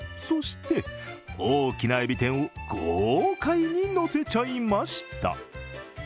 そして、大きなえび天を豪快にのせちゃいました。